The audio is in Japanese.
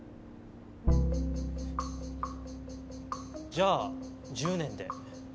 じゃあ１０年で。